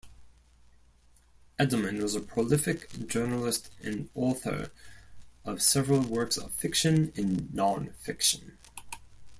Edelman was a prolific journalist and author of several works of fiction and non-fiction.